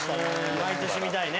毎年見たいね。